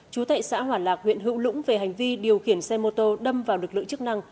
chú tại xã hỏa lạc huyện hữu lũng về hành vi điều khiển xe mô tô đâm vào lực lượng chức năng